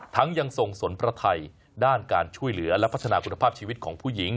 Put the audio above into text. ยังส่งสนพระไทยด้านการช่วยเหลือและพัฒนาคุณภาพชีวิตของผู้หญิง